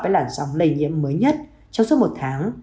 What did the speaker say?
làn sóng lây nhiễm mới nhất trong suốt một tháng